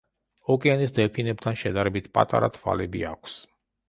ოკეანის დელფინებთან შედარებით პატარა თვალები აქვს.